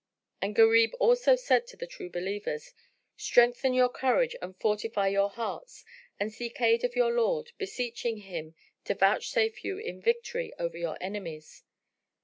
And Gharib also said to the True Believers, "Strengthen your courage and fortify your hearts and seek aid of your Lord, beseeching him to vouchsafe you the victory over your enemies."